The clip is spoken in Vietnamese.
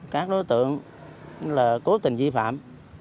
các đối tượng là cố tình di phạm